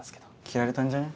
切られたんじゃね？